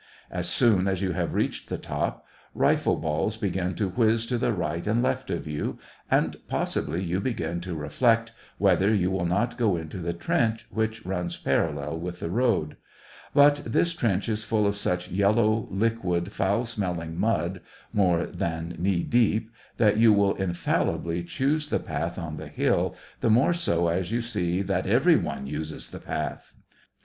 As soon as you have reached the top, rifle balls begin to whiz to the right and left of you, and, possibly, you begin to reflect whether you will not go into the trench which runs parallel with the road ; but this trench is full of such yellow, liquid, foul smelling mud, more than knee deep, that you will SEVASTOPOL IN DECRMHRR. 25 infallibly choose the path on the hill, the more so as you see that every one uses the path.